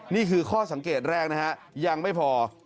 นี่คือข้อสังเกตแรกนะฮะยังไม่พอ